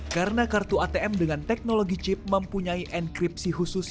karena kartu atm dengan teknologi chip mempunyai enkripsi khusus